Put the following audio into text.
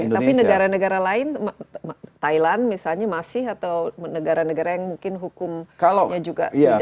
tapi negara negara lain thailand misalnya masih atau negara negara yang mungkin hukumnya juga tidak